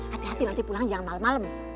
hati hati nanti pulang jangan malem malem